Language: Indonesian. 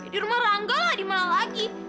di rumah rangga lah dimana lagi